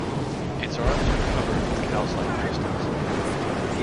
Its arms are covered with calcite crystals.